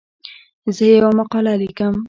زه یوه مقاله لیکم.